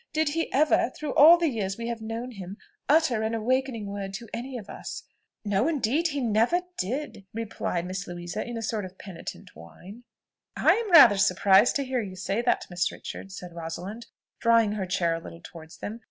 Did he ever, through all the years we have known him, utter an awakening word to any of us?" "No, indeed he never did," replied Miss Louisa, in a sort of penitent whine. "I am rather surprised to hear you say that, Miss Richards," said Rosalind, drawing her chair a little towards them.